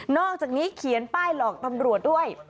อกจากนี้เขียนป้ายหลอกตำรวจด้วย